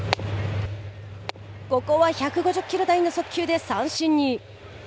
ここは１５０キロ台の速球で三振に。